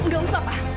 gak usah papa